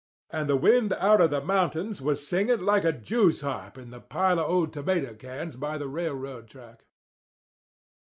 And the wind out of the mountains was singing like a Jew's harp in the pile of old tomato cans by the railroad track.